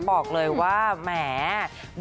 บอกเลยว่าแหม